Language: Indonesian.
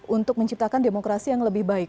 untuk menciptakan demokrasi yang lebih baik